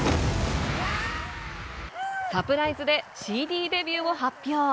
サプライズでＣＤデビューを発表。